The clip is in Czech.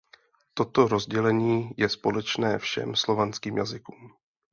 Toto rozdělení je společné všem slovanským jazykům.